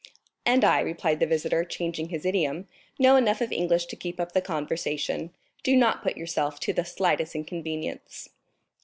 "And I," replied the visitor, changing his idiom, "know enough of English to keep up the conversation. Do not put yourself to the slightest inconvenience."